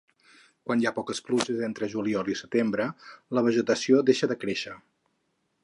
Quan hi ha poques pluges entre juliol i setembre, la vegetació deixa de créixer.